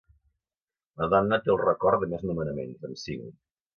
Madonna té el record de més nomenaments, amb cinc.